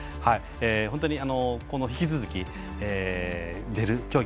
本当に引き続き出る競技